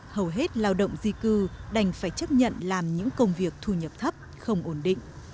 hầu hết lao động di cư đành phải chấp nhận làm những công việc thu nhập thấp không ổn định